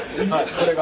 これが。